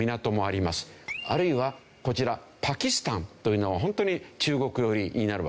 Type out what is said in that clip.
あるいはこちらパキスタンというのはホントに中国寄りになるわけね。